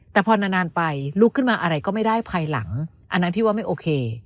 แต่พอนานไปลุกขึ้นมาอะไรก็ไม่ได้ภายหลังอันนั้นพี่ว่าไม่โอเค